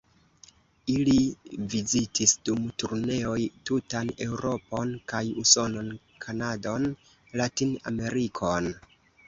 Ili vizitis dum turneoj tutan Eŭropon kaj Usonon, Kanadon, Latin-Amerikon.